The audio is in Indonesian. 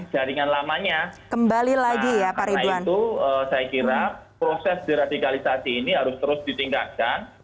karena itu saya kira proses deradikalisasi ini harus terus ditingkatkan